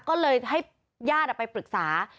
ก็เลยให้ญาติไปปรึกษา